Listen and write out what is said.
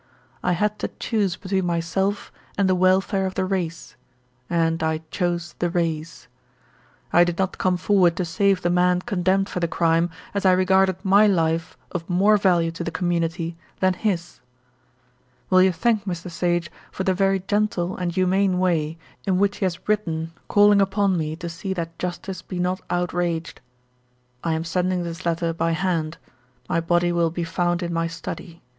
I had to choose between myself and the welfare of the race, and I chose the race. I did not come forward to save the man condemned for the crime, as I regarded my life of more value to the community than his. Will you thank Mr. Sage for the very gentle and humane way in which he has written calling upon me to see that justice be not outraged. I am sending this letter by hand. My body will be found in my study.